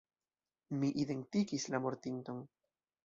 Mi identigis la mortinton.